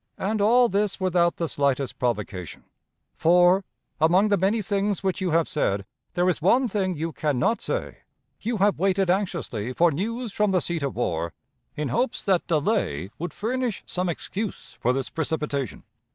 And all this without the slightest provocation; for, among the many things which you have said, there is one thing you can not say you have waited anxiously for news from the seat of war, in hopes that delay would furnish some excuse for this precipitation.